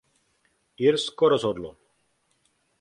Irsko rozhodlo.